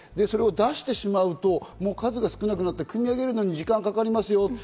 それを出してしまうと数が少なくなってくみ上げるのに時間がかかりますよ。